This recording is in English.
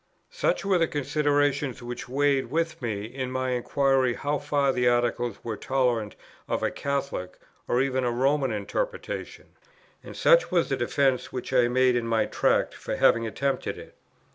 Such were the considerations which weighed with me in my inquiry how far the Articles were tolerant of a Catholic, or even a Roman interpretation; and such was the defence which I made in my Tract for having attempted it.